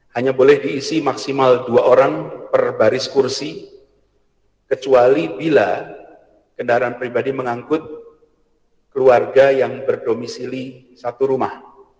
hanya boleh diisi maksimal dua orang per baris kursi kecuali bila kendaraan pribadi mengangkut keluarga yang berdomisili satu rumah